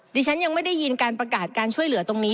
ดิฉันยังไม่ได้ยินการประกาศการช่วยเหลือตรงนี้